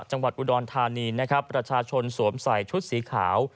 จังหวะบุ๑๙๕๔ประชาชนสวมใส่ชุดสีขาว